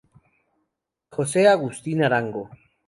Jose Agustín Arango.